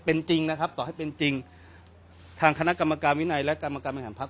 เป็นจริงนะครับต่อให้เป็นจริงทางคณะกรรมการวินัยและกรรมการบริหารพัก